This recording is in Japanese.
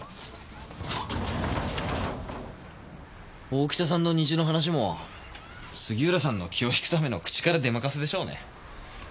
大北さんの虹の話も杉浦さんの気を引くための口から出まかせでしょうね。